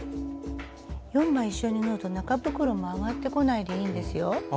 ４枚一緒に縫うと中袋もあがってこないでいいんですよ。